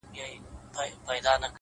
• زما خوبـونو پــه واوښـتـل ـ